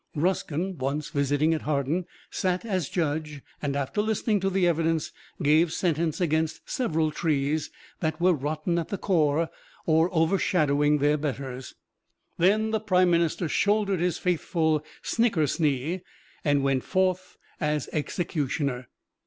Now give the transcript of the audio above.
Ruskin, once, visiting at Hawarden, sat as judge, and after listening to the evidence gave sentence against several trees that were rotten at the core or overshadowing their betters. Then the Prime Minister shouldered his faithful "snickersnee" and went forth as executioner.